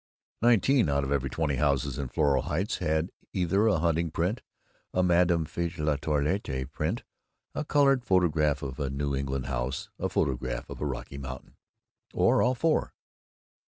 (Nineteen out of every twenty houses in Floral Heights had either a hunting print, a Madame Fait la Toilette print, a colored photograph of a New England house, a photograph of a Rocky Mountain, or all four.)